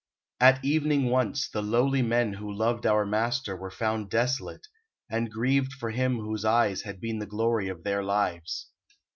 At evening once, the lowly men who loved Our Master were found desolate, and grieved For Him whose eyes had been the glory of Their lives.